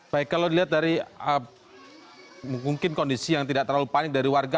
baik kalau dilihat dari mungkin kondisi yang tidak terlalu panik dari warga